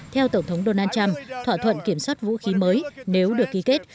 theo tổng thống donald trump thỏa thuận kiểm soát vũ khí mới nếu được ký kết